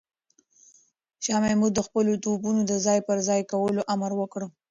شاه محمود د خپلو توپونو د ځای پر ځای کولو امر وکړ.